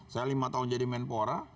saya lima tahun jadi menpora